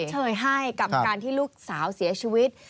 เชยให้กับการที่ลูกสาวเสียชีวิต